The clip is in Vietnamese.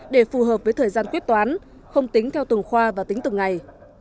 để phù hợp với thời gian quyết toán không tính theo từng khoa và tính từng ngày